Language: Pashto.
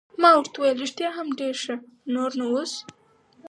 ما ورته وویل: رښتیا هم ډېر ښه، نور نو اوس.